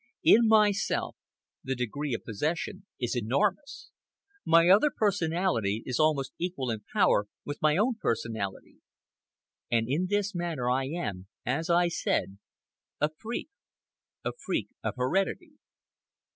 In myself, the degree of possession is enormous. My other personality is almost equal in power with my own personality. And in this matter I am, as I said, a freak—a freak of heredity.